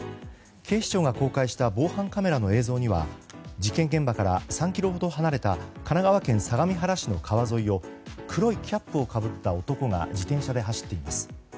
警視庁が公開した防犯カメラの映像には事件現場から３ｋｍほど離れた神奈川県相模原市の川沿いを黒いキャップをかぶった男が自転車で走っていきます。